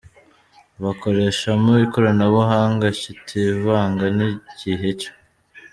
bakoreshamo ikoranabuhanga kitivanga n'ighe cyo.